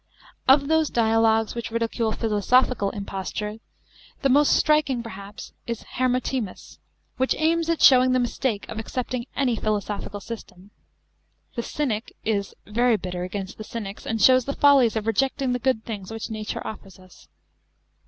Of those dialogues which ridicule philosophical imposture, the most striking perhaps is the Hermo timus, which aims at showing the mistake of accepting any philosophical system. The Cynic is very bitter against the Cynics and shows the follies of rejecting the good things which nature offers us.